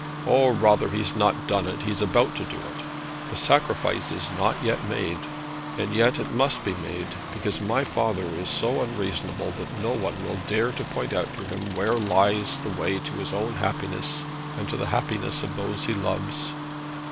Or rather he has not done it. He is about to do it. The sacrifice is not yet made, and yet it must be made, because my father is so unreasonable that no one will dare to point out to him where lies the way to his own happiness and to the happiness of those he loves!'